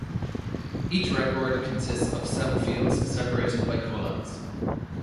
Each record consists of seven fields separated by colons.